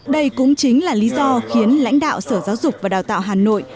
đây cũng chính là lý do khiến lãnh đạo sở giáo dục và đào tạo hà nội